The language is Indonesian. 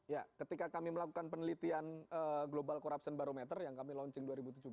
ya ketika kami melakukan penelitian global corruption barometer yang kami launching dua ribu tujuh belas